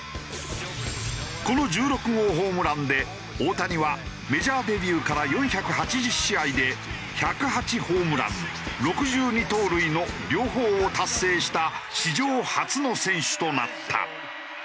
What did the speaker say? この１６号ホームランで大谷はメジャーデビューから４８０試合で１０８ホームラン６２盗塁の両方を達成した史上初の選手となった。